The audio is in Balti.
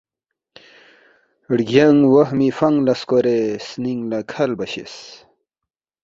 درگیانگ وہمی فنگ لا سکورے سنینگ لا کھلبہ شیس